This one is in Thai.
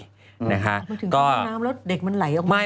มันถึงทางน้ำแล้วเด็กมันไหลออกมา